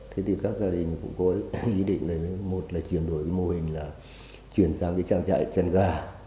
thế thì các gia đình cũng có hai ý định là một là chuyển đổi mô hình là chuyển sang cái trang trại chăn gà